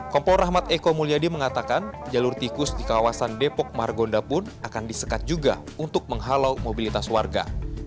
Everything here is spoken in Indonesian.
kompol rahmat eko mulyadi mengatakan jalur tikus di kawasan depok margonda pun akan disekat juga untuk menghalau mobilitas warga